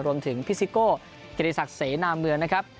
รวมถึงภิสิโกะเกรดีศักดิ์เสนามเมืองนะครับ